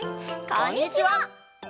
こんにちは。